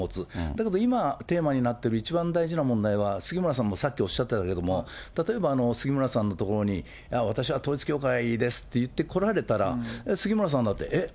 だけど今テーマになってる一番大事な問題は、杉村さんもさっきおっしゃったけども、例えば杉村さんのところに、私は統一教会ですって言って来られたら、杉村さんだって、えっ？